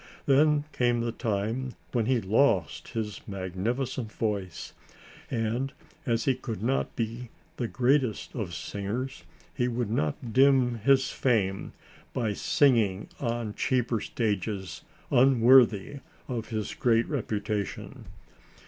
Then came the time when he lost his magnificent voice, and as he could not be the greatest of singers, he would not dim his fame by singing on cheaper stages unworthy of his great reputation.